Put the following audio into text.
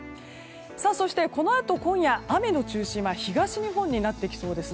そして、このあと今夜雨の中心は東日本になってきそうです。